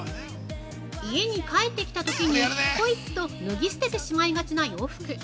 ◆家に帰ってきたときに、ぽいっと脱ぎ捨ててしまいがちな洋服。